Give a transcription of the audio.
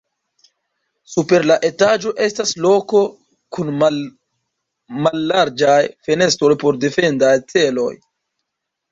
Super la etaĝo estas loko kun mallarĝaj fenestroj por defendaj celoj.